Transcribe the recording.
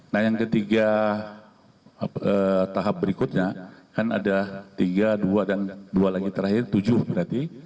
nah yang ketiga tahap berikutnya kan ada tiga dua dan dua lagi terakhir tujuh berarti